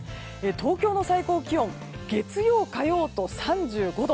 東京の最高気温月曜、火曜と３５度。